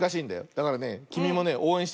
だからねきみもねおうえんしてくれ。